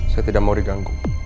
saya tidak mau diganggu